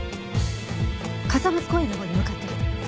傘松公園のほうに向かってる。